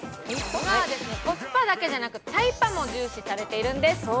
今はコスパだけでなくタイパも重視されているんです。